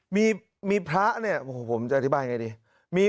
มีพระเนี่ยโอ้โหผมจะอธิบายไงดี